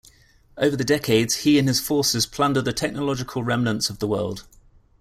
Over the decades he and his forces plunder the technological remnants of the world.